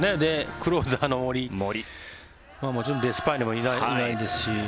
クローザーの森、もちろんデスパイネもいないですし。